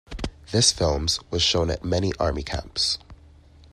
This films was shown at many Army Camps.